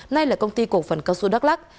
nay là công ty cổ phần cao xu đắk lắc